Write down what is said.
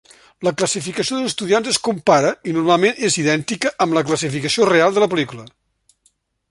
La classificació d'estudiants es compara, i normalment és idèntica, amb la classificació real de la pel·lícula.